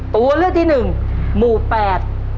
ตัวเลือกที่หนึ่งหมู่แปด